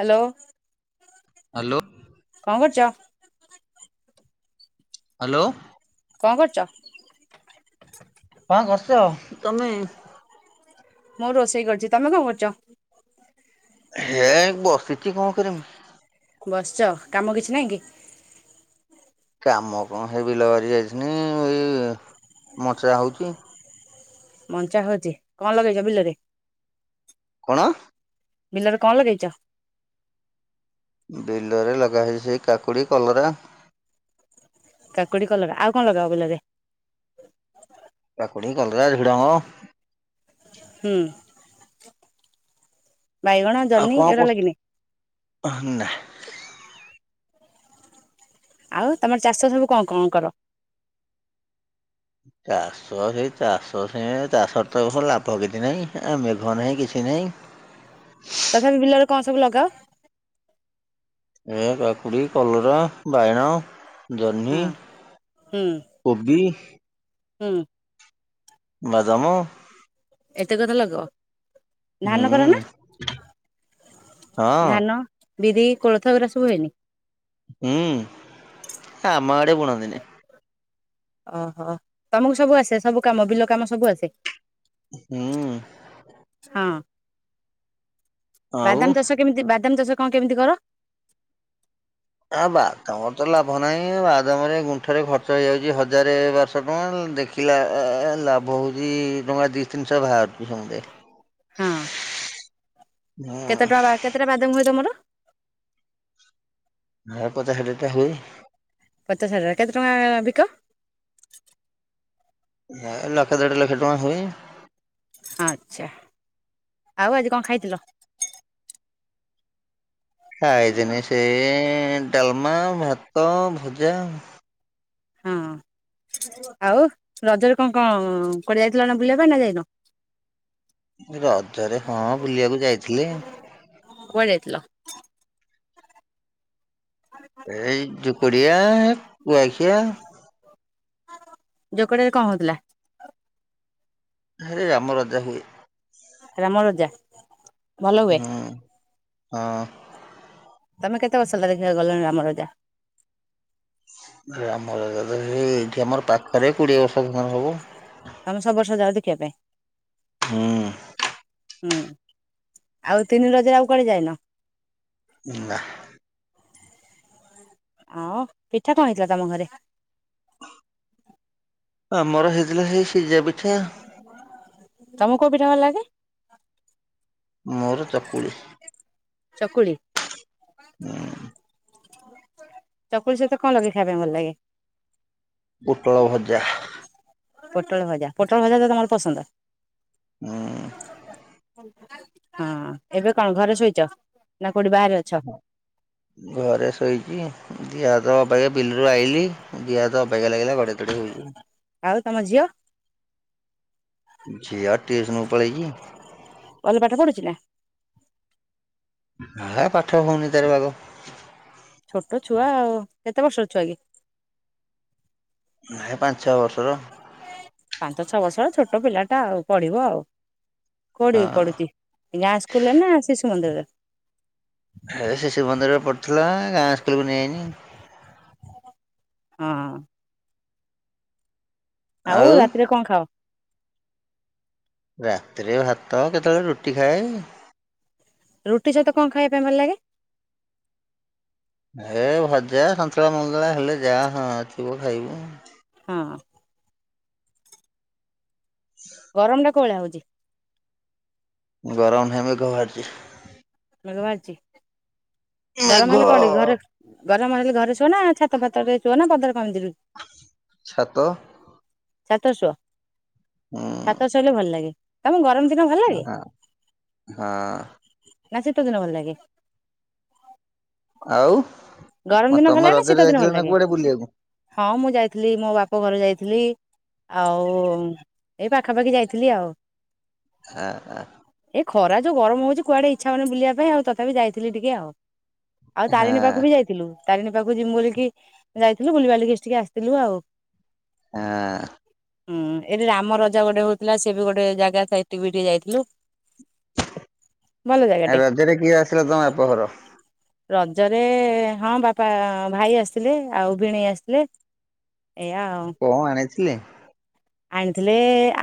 Hello. Hello. କଣ କରୁଚ? Hello. କଣ କରୁଚ? କଣ କରୁଚ ତମେ? ମୁଁ ରୋଷେଇ କରୁଛି। ତମେ କଣ କରୁଛ? ହେ ବସିଛି କଣ କରିମି? ବସିଛ କାମ କିଛି ନାଇଁ କି? କାମ କଣ ହେ ବିଲ ବାରି ଯାଇଥିନି। ଏଇ ମଚା ହଉଛି। ମଞ୍ଚା ହଉଛି। କଣ ଲଗେଇଛ ବିଲରେ? କଣ? ବିଲରେ କଣ ଲଗେଇଛ? ବିଲରେ ଲଗାହେଇଛି ସେଇ କାକୁଡ଼ି କଲରା କାକୁଡି, କଲରା ଆଉ କଣ ଲଗା ହେବ ବିଲରେ? କାକୁଡି କଲରା ଝୁଡଙ୍ଗ। ହୁଁ ବାଇଗଣ। ଆଉ ଜହ୍ନି କଁ ଏଗୁଡା ଲାଗିନି କର ଆଃ ନାଁ। ଆଉ ତମର ଚାଷ ସବୁ କଁ କଁ କର? ଚାଷ ହେ ଚାଷ ସେଁ ଚାଷରେ ତ ଏ ବଷ ଲାଭ କିଛି ନାହିଁ ଏ ମେଘ ନାହିଁ କିଛି ନାହିଁ। ତଥାପି ବିଲରେ କଁ ସବୁ ଲଗାଅ? ଏ କାକୁଡ଼ି କଲରା ବାଇଣ। ହଁ ଜହ୍ନି ହୁଁ କୋବି ହୁଁ। ବଦାମ। ଏତେ କଥା ଲଗଅ। ହୁଁ ଧାନ କର ନା ହଁ ଧାନ? ବିରି କୋଳଥ ଏଗୁରା ସବୁ ହୁଏନି? ହୁଁ ଆମ ଆଡ଼େ ବୁଣନ୍ତିନି। ଅହ ତମୁକୁ ସବୁ ଆସେ ସବୁ କାମ ବିଲ କାମ ସବୁ ଆସେ? ହୁଁ। ହଁ ଆଉ ବାଦାମ ଚାଷ କେମିତି ବାଦାମ ଚାଷ କଁ କେମିତି କର? ଆଁ ବାଦାମ ତ ଲାଭ ନାହିଁ ବାଦାମରେ ଗୁଣ୍ଠରେ ଖର୍ଚ୍ଚ ହେଇଯାଉଚି ହଜାରେ ବାରଶ ଟଙ୍କା ଦେଖ୍ ପିଲା ଆ ଆ ଲାଭ ହୋଉଚି ଟଙ୍କା ଦି ତିନିଶ ଭାରୁଚି ସମଦାଏ। ହଁ। କେତେ ଟଙ୍କା ବା କେତେଟା ବାଦାମ ହୁଏ ତମର? ହେ ପଚାଶ ଷାଠିଏଟା ହୁଏ। ପଚାଶ ହଜାର କେତେ ଟଙ୍କା ବିକ? ହେ ଲକ୍ଷେ ଦେଢ଼ ଲକ୍ଷ ଟଙ୍କା ହୁଏ। ଆଚ୍ଛା ଆଉ ଆଜି କଁ ଖାଇଥିଲ? ଖାଇଥିନି ସେଇ ଡାଲମା, ଭାତ, ଭଜା। ହଁ। ଆଉ ରଜରେ କଁ କଁ କୁଆଡ଼େ ଯାଇଥିଲ ନାଁ ବୁଲିବା ପାଇଁ ନାଁ ଯାଇନ? ରଜରେ ହଁ ବୁଲିଆକୁ ଯାଇଥିଲି। କୁଆ ଯାଇଥିଲ? ଆଲି ଏଇ ଜୁକଡ଼ିଆ କୁଆଖିଆ ଜୋକଡିଆରେ କଁ ହଉଥୁଲା? ହେ ରାମ ରଜା ହୁଏ। ରାମ ରଜା। ଭଲ ହୁଏ ହୁଁ ହଁ। ତମେ କେତେ ବର୍ଷ ହେଲା ଦେଖିବାକୁ ଗଲଣି ରାମ ରଜା? ରାମ ରଜା ତ ହେଇ ଏଇଠି ଆମର ପାଖରେ କୋଡ଼ିଏ ବର୍ଷ ଖଣ୍ଡେ ହବ। ତମେ ସବୁ ବର୍ଷ ଯାଅ ଦେଖିବା ପାଇଁ? ହୁଁ। ହୁଁ ଆଉ ତିନି ରଜରେ ଆଉ କୁଆଡ଼େ ଯାଇନ? ନାଁ। ଆଉ ପିଠା କଁ ହେଇଥିଲା ତମ ଘରେ? ଆମର ହେଇଥିଲା ହେଇ ସିଜା ପିଠା। ତମୁ କୋଉ ପିଠା ଭଲ ଲାଗେ? ମୋର ଚକୁଳି। ଚକୁଳି? ହୁଁ। ଚକୁଳି ସହିତ କଣ ଲଗେଇ ଖାଇବା ପାଇଁ ଭଲ ଲାଗେ? ପୁଟଳ ଭଜା। ପୋଟଳ ଭଜା ପୋଟଳ ଭଜା ତମର ପସନ୍ଦ? ହୁଁ। ହଁ ଏବେ କଣ ଘର ସୋଇଚ ନା କୋଉଠି ବାହାରେ ଅଛ? ଘରେ ଶୋଇଛି ଦିହ ହାତ ଅବାଗିଆ ବିଲରୁ ଆଇଲିି ଦିହ ହାତ ଅବଗିଆ ଲାଗିଲା ଗଡେଇ ତଡେ ଏଇଠି ଶୋଇଚି। ଆଉ ତମ ଝିଅ ଝିଅ ଟିୟୁସନ୍ କୁ ପଳେଚି। ଭଲ ପାଠ ପଢୁଛି ନା? ହ ପାଠ ହୋଉନି ତାର ବାଗ। ଛୋଟ ଛୁଆ ଆଉ କେତେ ବର୍ଷର ଛୁଆ କି? ହେ ପାଞ୍ଚ ଛଅ ବର୍ଷର। ପାଞ୍ଚ ଛଅ ବର୍ଷ ଛୋଟ ପିଲା ଟା ଆଉ ପଢିବ ଆଉ କୋଉଠି ବି ହଁ ପଢୁଛି? ଏଇ ଗାଁ ସ୍କୁଲ ରେ ନା ଶିଶୁ ମନ୍ଦିରରେ? ହେ ଶିଶୁ ମନ୍ଦିରରେ ପଢୁଥିଲା ଗାଁ ସ୍କୁଲକୁୁ ନେଇଆଇନି। ହଁ। ଆଉ ରାତିରେ କଣ ଖାଅ? ରାତିରେ ଭାତ କେତେବେଳେ ରୁଟି ଖାଏ। ରୁଟି ସହିତ କଣା ଖଇବା ପାଇଁ ଭଲ ଲାଗେ? ଏ ଭଜା ସନ୍ତୁଳା ମନ୍ତୁଳା ହେଲେ ଯା ହଁଥିବ ଖାଇବୁ। ହଁ। ହ ଗରମ ଟା କୋଉ ଭଳିଆ ହୋଉଚି। ଗରମ ନାହିଁ ମେଘ ଭାରିଚି। ମେଘ ଭାରିଚି? ମେଘ ଗରମ ହେଲେ କଣ କି ଘରେ ଗରମ ହେଲେ ଘରେ ସୁଅ ନା ଛାତ ଫାତରେ ଶୁଅ ନା ପଦାର କେମିତି ବି ଛାତ ଛାତରେ ଶୁଅ ଉଁ ଛାତରେ ଶୋଇଲେ ଭଲ ଲାଗେ। ତମକୁ ଗରମ ଦିନ ଭଲ ଲାଗେ ହଁ ହଁ ନା ଶୀତ ଦିନ ଭଲ ଲାଗେ? ଗରମ ଆଉ ଦିନ ଭଲ ତମେ ଲାଗେ ନା ଶୀତ ରଜରେ ଦିନ ଭଲ ଯାଇଥିଲ ନା ଲାଗେ? କୁଆଡେ ବୁଲିବାକୁ? ହଁ ମୁଁ ଯାଇଥିଲି ମୋ ବାପ ଘର ଯାଇଥିଲି। ଆଉ ଏଇ ପାଖାପାଖି ଯାଇଥିଲି ଆଉ। ଆ ଆ। ଏ ଖରା ଯୋଉ ଗରମ ହୋଉଚି କୁଆଡେ ଇଛା ହୋଉନେଇ ବୁିଲିବା ପାଇଁ ଆଉ ତଥାବି ଯାଇଥିଲି ଟିକେ ଆଉ। ଆଉ ହଁ ତାରିଣୀ ପାଖକୁ ବି ଯାଇ ଥିଲୁ ତାରିଣୀ ପାଖକୁ ଯିମୁ ବୋଲି ଯାଇଥିଲୁ ବୁଲିବାଲିକି ଟିକି ଆସିଥିଲୁ ଆଉ। ହଁ। ହୁଁ ଏଠି ରାମ ରଜା ଗୋଟେ ହୋଉଥିଲା ସେ ବି ଗୋଟେ ଜାଗା ସେଠିକି ବି ଟିକେ ଯାଇଥିଲୁ। ଭଲ ଆ ଜାଗାଟେ। ରଜ ରେ କିଏ ଆସିଲା ତମ ବାପଘର? ରଜରେ ହଁ ବାପା ଭାଇ ଆସିଥିଲେ ଆଉ ଭିଣେଇ ଆସିଥିଲେ। ଏଇଆ ଆଉ। କଣ ଆଣିଥିଲେ। ଆଣିଥିଲେ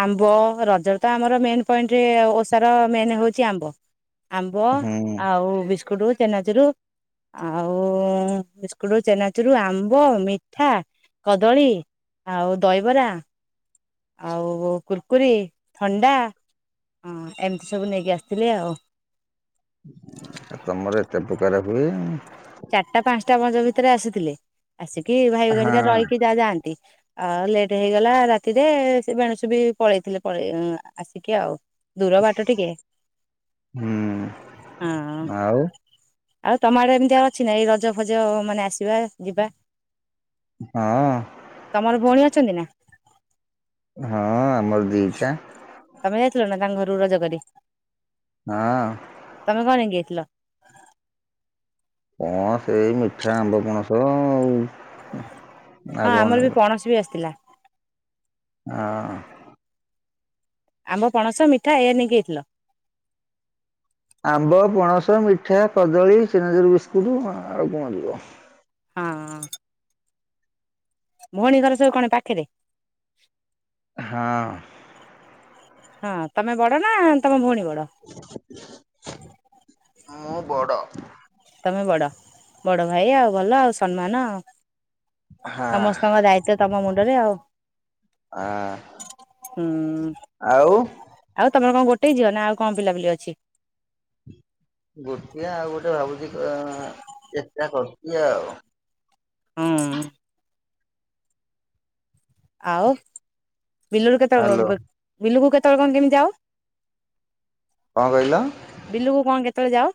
ଆମ୍ବ ରଜ ତ ଆମର ମେନ୍ ପଏଣ୍ଟରେ ଓଷାର ମେନ୍ ହଉଛି ଆମ୍ବ। ଆମ୍ବ ହୁଁ ଆଉ ବିସ୍କୁଟ ଚେନାଚିରୁ। ଆଉ ଉ ଉ ଉ ବିସ୍କୁଟ ଚେନାଚୁରୁ ଆମ୍ବ ମିଠା କଦଳୀ। ଆଉ ଦହିବରା। ଆଉ କୁୁରକୁରି ଥଣ୍ଡା ଏମିତି ସବୁ ନେଇକି ଆସିଥିଲେ ଆଉ। ତମର ଏତେ ପ୍ରକାର ହୁଏ। ଚାରିଟା ପାଞ୍ଚଟା ବ ଭିତରେ ଆସିଥିଲେ। ଆସିକି ଭାଇ ଘରିକା ହଁ ରହିକି ଯା ଯାଆନ୍ତି। ଆଉ ଲେଟ୍ ହେଇଗଲା ରାତିରେ ସେ ବେଣୁସୁ ବି ପଳେଇଥିଲେ ପଳେଇ ଆସିକି ଆଉ। ଦୂର ବାଟ ଟିକେ ହୁଁ ହଁ ହଁ ଆଉ ଆଉ ତମ ଆଡେ ଏମିତି ଆଉ ଅଛି ନା ଏଇ ରଜ ଫଜ ମାନେ ଆସିବା ଯିବା। ହଁ। ତମର ଭଉଣୀ ଅଛନ୍ତି ନା। ହଁ ଆମର ଦିଟା। ତମେ ଯାଇଥିଲ ନା ତାଙ୍କ ଘରୁ ରଜ କରି। ହଁ। ତମେ କଣ ନେଇକି ଯାଇଥିଲ। କଣ ସେଇ ମିଠା ଆମ୍ବ ପଣସ ଆଉ। ଆଉ ହଁ କଣ ଆମର ବି ନେବେ ପଣସ ବି ଆସିଥିଲା। ହଁ। ଆମ୍ବ ପଣସ ମିଠା ଏୟା ନେଇକି ଯାଇଥିଲ। ଆମ୍ବ ପଣସ ମିଠା କଦଳୀ ଚିନାଚେରୁ ବିସ୍କୁଟ୍ ଆଉ କଣ ଯିବ। ହଁ। ଭଉଣୀ ଘର ସବୁ କଣ ପାଖରେ। ହଁ। ହଁ ତମେ ବଡ ନା ତମ ଭଉଣୀ ବଡ଼। ମୁଁ ବଡ। ତମେ ବଡ। ବଡ ଭାଇ ଆଉ ଭଲ ଆଉ ସମ୍ମାନ ଆଉ। ହଁ ସମସ୍ତଙ୍କ ଦାୟିତ୍ୱ ତମ ମୁଣ୍ଡରେ ଆଉ। ହଁ ହୁଁ ଆଉ। ଆଉ ତମର କଣ ଗୋଟେ ଝିଅ ନା ଆଉ କଣ ପିଲାପିଲି ଅଛି। ଗୋଟେ ଆଉ ଗୋଟେ ଭାବୁଛି ଆଉ ଉ ଚେଷ୍ଟା କରୁଛି ଆଉ। ହୁଁ। ଆଉ ବିଲୁରୁ କେତେବେଳେ ହ୍ୟାଲୋ ବି ବିଲୁକୁ କେତେବେଳେ କଣ କେମିତି ଯାଅ। କଣ କହିଲ। ବିଲୁକୁ କଣ କେତେବେଳେ ଯାଅ।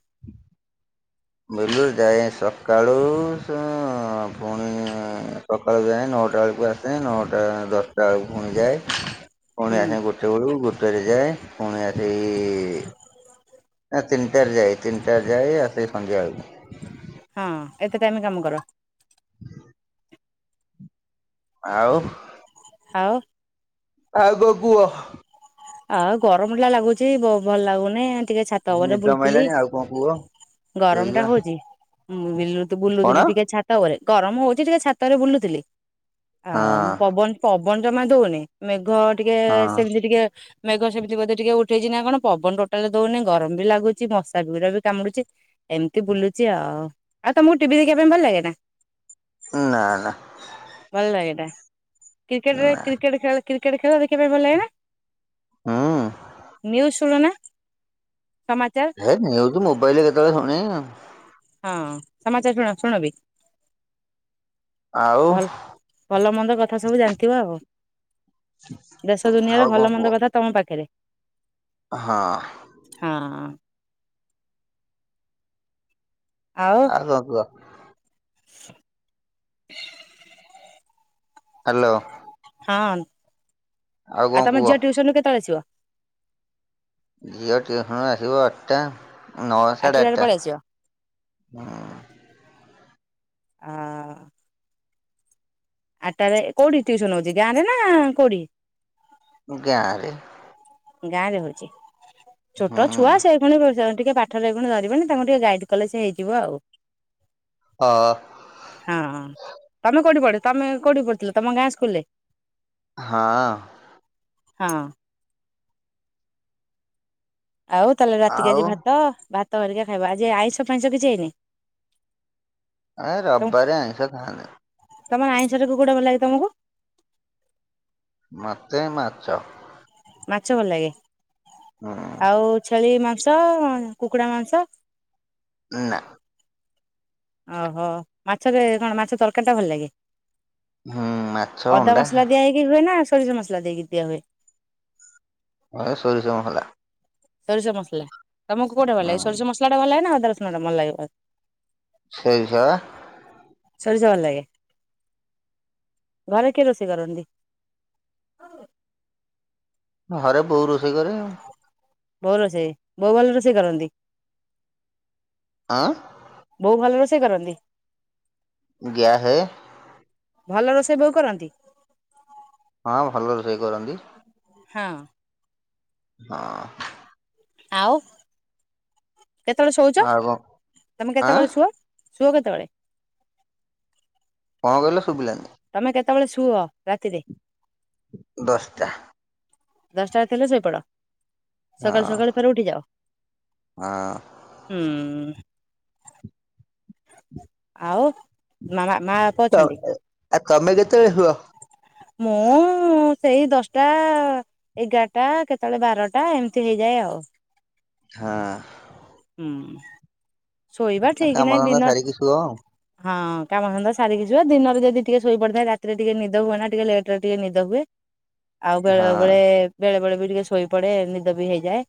ବିଲୁରୁ ଯାଏ ସକାଳୁ ପୁଣି ସକାଳୁ ଯାଏ ନଅଟା ବେଳକୁ ଆସେ ନଅଟା ଦଶଟା ବେଳକୁ ପୁଣି ଯାଏ। ହୁଁ ପୁଣି ଆସେ ଗୋଟେ ବେଳକୁ ଗୋଟେରେ ଯାଏ ପୁଣି ଆଜି ଇ ନା ତିନିଟାରେ ଯାଏ ତିନିଟାରେ ଯାଏ ଆସେ ସନ୍ଧ୍ୟାବେଳକୁ। ହଁ ଏତେ ଟାଇମ କାମ କର। ଆଉ। ଆଉ। ଆଉଗ କୁହ। ଆଉ ଗରମଟା ଲାଗୁଚି ବ ଭଲ ଲାଗୁନି। ଟିକେ ଛାତ ଉପରେ ନିଦ ବୁଲୁଥିଲି ମାଇଲାଣି ଆଉ କଣ କୁହ ଗରମ ଟା ଶୋଇବା ହଉଛି। ମୁଁ ତ କଣ ବୁଲୁଥିଲି ଟିକେ ଛାତ ଉପରେ ଗରମ ହଉଛି ଟିକେ ଛାତରେ ବୁଲୁଥିଲି। ହଁ ଆଉ ପବନ ପବନ ଜମା ହଉନି ମେଘ ଟିକେ ହଁ ସେମିତି ଟିକେ ମେଘ ସେମିତି ବୋଧେ ଟିକେ ଉଠେଇଛିି ନା କଣ ପବନ ଟୋଟାଲ ହଉନି ଗରମ ବି ଲାଗୁଛି ମଶା ଗୁଡା ବି କାମୁଡୁଚି ଏମିତି ବୁଲୁଛି ଆଉ ଆଉ ତମକୁ ଟିଭି ଦେଖିବା ପାଇଁ ଭଲ ଲାଗେ ନା? ନା ନା ଭଲ ଲାଗେନା କ୍ରିକେଟରେ ନା କ୍ରିକେଟ ଖେ କ୍ରିକେଟ ଖେଳ ଦେଖିବା ପାଇଁ ଭଲ ଲାଗେ ନା? ହୁଁ। ନ୍ୟୁଜ ଶୁଣନା ସମାଚାର? ହେ ମୁ ଏଇଠି ମୋବାଇଲରେ କେତେବେଳେ ଶୁଣେ। ହଁ ସମାଚାର ଶୁଣ ଶୁଣବି ଆଉ ଭଲ [unintelligible] ଭଲ ମନ୍ଦ କଥା ସବୁ ଜାଣିଥିବ ଆଉ। ଦେଶ ଆଉ ଦୁନିଆର କଣ ଭଲ କୁହ? ମନ୍ଦ କଥା ତମ ପାଖରେ। ହଁ ହଁ ଆଉ କଣ କୁହ? ହ୍ୟାଲୋ ହଁ କଣ ଆଉ ତମ କୁହ ଝିଅ ଟ୍ୟୁସନ ରୁ କେତେବେଳେ ଆସିବ? ଝିଅ ଟିଉସନ ଆସିବ ଆଠଟା ନଅ ସାଢ଼େ ଆଠଟାରେ ଆଠଟା ପଳେଇ ଆସିବ ହ। ହଁ ଆଠଟ ରେ କୋଉଠି ଟ୍ୟୁସନ ହଉଛି ଗାଁ ରେ ନା କୋଉଠି? ଗାଁ ରେ। ଗାଁ ରେ ହଉଛି ହୁଁ ଛୋଟ ଛୁଆ ସେ ଶୁଣିିବୁ ଟିକେ ପାଠରେ ପୁଣି ଧରିବେନି ତାଙ୍କୁ ଟିକେ ଗାଇଡ କଲେ ସେ ହେଇଯିବ ଆଉ। ହଁ ହଁ ତମେ କୋଉଠି ପଢ ତମେ କୋଉଠି ପଢୁଥିଲ ତମ ଗାଁ ସ୍କୁଲ ରେ। ହଁ ହଁ ଆଉ ତାହେଲେ ରାତିକି ଆଉ ଆଜି ଭାତ ଭାତ କରରିକି ଖାଇବା ଆଜି ଆଇଁଷ ଫାଇଁଷ କିଛି ହେଇନି? ଏ ରବିବାର ଆଇଁଷା ଖାନି। ତମ ଆଇଷର କଉଟା ଭଲ ଲାଗେ ତମର? ମତେ ମାଛ। ମାଛ ଭଲ ଲାଗେ ହୁଁ ଆଉ ଛେଳି ମାଂସ କୁକୁଡ଼ା ମାଂସ। ନା ଓହୋ ମାଛରେ କଣ ମାଛ ତରକାରୀ ଟା ଭଲ ଲାଗେ? ହୁଁ ମାଛ ଅଦା ଅଣ୍ଡା ମସଲା ଦିଆ ହେଇକି ହୁଏ ନା ସୋରିଷ ମସଲା ଦେଇକି ଦିଆ ହୁଏ? ଏ ସରିଷ ମସଲା। ସୋରିଷ ମସଲା ତମକୁ କୋଉଟେ ଭଲ ହୁଁ ଲାଗେ ସୋରିଷ ମସଲା ଟା ଭଲ ଲାଗେ ନା ଆଦ ରସଣ ଟା ଭଲ ଲାଗିବ? ସୋରିଷ ବା। ସରିଷ ଭଲ ଲାଗେ ଘରେ କିଏ ରୋଷେଇ କରନ୍ତି? ଘରେ ବୋଉ ରୋଷେଇ କରେ ଆଉ। ବୋଉ ରୋଷେଇ ବୋଉ ଭଲ ରୋଷେଇ କରନ୍ତି? ଆ ବୋଉ ଭଲ ରୋଷେଇ କରନ୍ତି? ଗ୍ୟାସ ରେ। ଭଲ ରୋଷେଇ ବୋଉ କରନ୍ତି? ହଁ, ଭଲ ରୋଷେଇ କରନ୍ତି। ହଁ। ହଁ। ଆଉ କେତେବେଳେ ଶୋଉଛ? ଆଉ କଣ ତମେ ଆଁ କେତେବେଳେ ଶୁଅ। ଶୁଅ କେତେବେଳେ? କଣ କହିଲ ଶୁଭିଲାନି? ତମେ କେତେବେଳେ ଶୁଅ ରାତିରେ? ଦଶଟା। ଦଶଟା ରାତି ହେଲେ ଶୋଇପଡ। ହଁ ସକାଳୁ ସକାଳୁ ଫେରେ ଉଠିଯାଅ, ହଁ ହୁଁ। ଆଉ ମାମା, ମା ବାପା ତ ଅଛନ୍ତି। ଆଉ ତମେ କେତେବେଳେ ଶୁଅ? ମୁଁ ସେଇ ଦଶଟା। ଏଗାରଟା କେତେବେଳେ ବାରଟା ଏମିତି ହେଇଯାଏ ଆଉ। ହଁ। ହୁଁ ଶୋଇବା ଠିକ୍ କାମ ନାହିଁ। ଧନ୍ଦା ଦିନ ସାରିକି ଶୁଅ ଆଉ। ହଁ କାମଧନ୍ଦା ସାରିକି ଶୁଏ। ଦିନରେ ଯଦି ଟିକେ ଶୋଇ ପଡିଥାଏ ରାତିରେ ଟିକେ ନିଦ ହୁଏ ନା ଟିକେ ଲେଟରେ ଟିକେ ନିଦ ହୁଏ। ଆଉ ବେଳେବେଳେ ହଁ ବେଳେ ବେଳେ ବି ଟିକେ ଶୋଇପଡେ ନିଦ ବି ହେଇଯାଏ।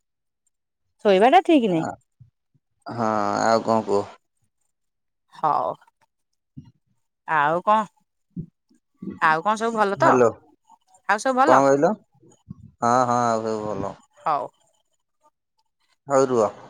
ଶୋଇବାଟା ଆ ହଁ, ଆଉ କଣ କୁହ? ହଉ। ହଁ ଆଉ କଣ? ଆଉ କଣ ସବୁ ଭଲ ତ? ହ୍ୟାଲୋ ଆଉ ସବୁ କଣ ଭଲ। କହିଲ ହଁ ହଁ, ଆଉ ସବୁ ଭଲ। ହଉ। ହଉ ରୁହ।